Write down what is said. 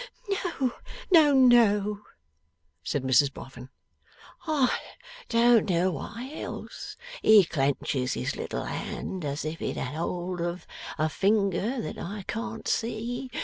'No, no, no,' said Mrs Boffin. 'I don't know why else he clenches his little hand as if it had hold of a finger that I can't see.